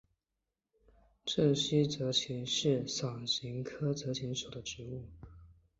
滇西泽芹是伞形科泽芹属的植物。